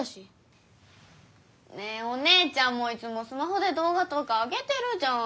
ねえお姉ちゃんもいつもスマホでどう画とかあげてるじゃん。